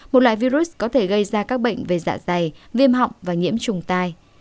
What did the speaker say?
một loại virus có thể gây ra các bệnh về dạ dày viêm họng và nhiễm trùng tai